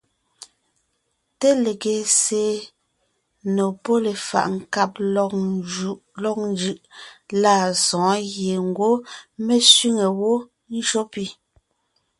Te lege zsè nò pɔ́ lefaʼ nkáb lɔg njʉʼ lâ sɔ̌ɔn gẅie ngwɔ́ mé sẅîŋe wó ńjÿó pì.